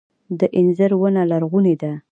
د انځر ونه لرغونې ده